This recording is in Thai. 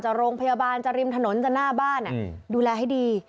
โรงพยาบาลจะริมถนนจะหน้าบ้านดูแลให้ดี